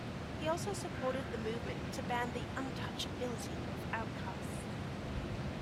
He also supported the movement to ban the 'untouchability of outcasts'.